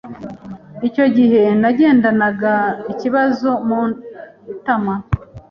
icyo gihe nagendanaga ikibazo mu itama